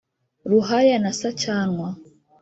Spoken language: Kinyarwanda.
Ruhaya na Sacyanwa